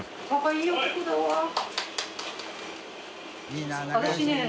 いいね！